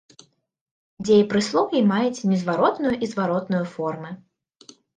Дзеепрыслоўі маюць незваротную і зваротную формы.